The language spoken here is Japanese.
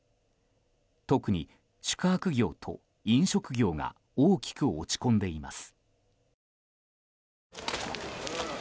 特に、宿泊業と飲食業が大きく落ち込んでいます。